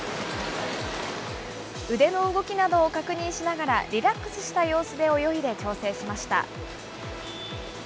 腕の動きなどを確認しながら、リラックスした様子で泳いで調整しました。